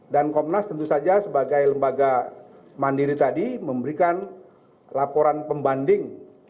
dan komnas tentu saja sebagai lembaga mandiri tadi memberikan laporan pembanding